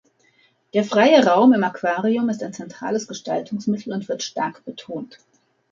Der freie Raum im Aquarium ist ein zentrales Gestaltungsmittel und wird stark betont.